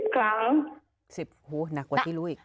๑๐ครั้งหนักกว่าที่รู้อีก